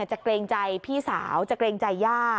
เกรงใจพี่สาวจะเกรงใจย่า